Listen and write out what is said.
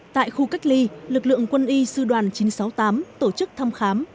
tại khu cách ly lực lượng quân y sư đoàn chín trăm sáu mươi tám tổ chức thăm khám